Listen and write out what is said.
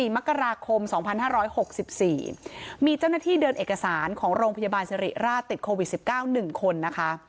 มกราคม๒๕๖๔มีเจ้าหน้าที่เดินเอกสารของโรงพยาบาลสิริราชติดโควิด๑๙๑คนนะคะ